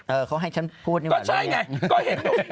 เออเขาให้ฉันพูดนี่แหว่งไงก็ใช่ไงก็เห็นอยู่